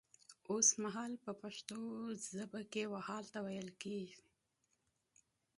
وسمهال په پښتو ژبه کې و حال ته ويل کيږي